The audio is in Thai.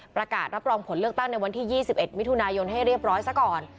ประกาศรับรองผลเลือกตั้งในวันที่๒๑มิถุนายนให้เรียบร้อยซะก่อน